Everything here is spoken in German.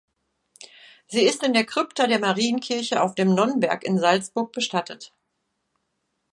Sie ist in der Krypta der Marienkirche auf dem Nonnberg in Salzburg bestattet.